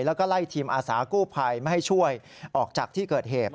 แล้วก็ไล่ทีมอาสากู้ภัยไม่ให้ช่วยออกจากที่เกิดเหตุ